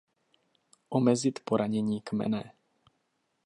Omezit poranění kmene.